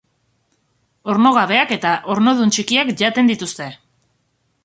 Ornogabeak eta ornodun txikiak jaten dituzte.